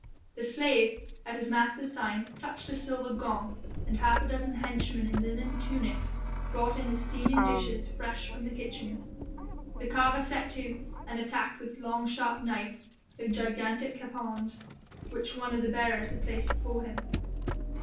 The slave, at his master's sign, touched a silver gong, and half a dozen henchmen in linen tunics brought in the steaming dishes fresh from the kitchens. The carver set to and attacked with long sharp knife the gigantic capons which one of the bearers had placed before him.